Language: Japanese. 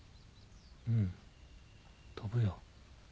うん飛ぶよ。